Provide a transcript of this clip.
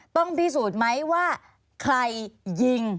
ต้องพิสูจน์ไหมว่าใครยิง